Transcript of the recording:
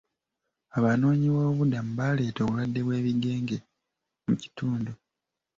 Abanoonyi boobubudamu baaleeta obulwadde bw'ebigenge mu kitundu.